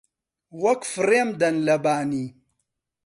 وەک فڕێم دەن لە بانی